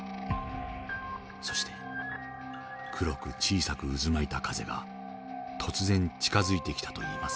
そして黒く小さく渦巻いた風が突然近づいてきたといいます。